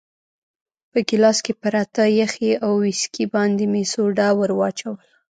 په ګیلاس کې پراته یخي او ویسکي باندې مې سوډا ورو وراچول.